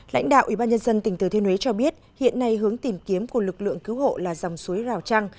lãnh đạo ủy ban nhân dân tỉnh từ thiên huế cho biết hiện nay hướng tìm kiếm của lực lượng cứu hộ là dòng suối rào trăng